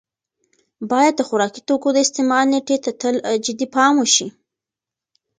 باید د خوراکي توکو د استعمال نېټې ته تل جدي پام وشي.